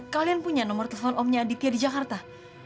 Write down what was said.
kalian punya nomor telepon omnya aditya di jakarta